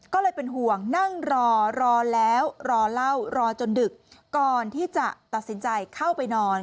ก็เลยเป็นห่วงนั่งรอรอแล้วรอเล่ารอจนดึกก่อนที่จะตัดสินใจเข้าไปนอน